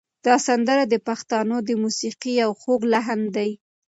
دا سندره د پښتنو د موسیقۍ یو خوږ لحن دی.